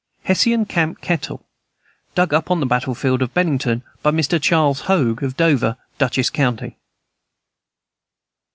Hessian camp kettle, dug up on the battle field of Bennington. By Mr. Charles Hoag, of Dover, Dutchess county.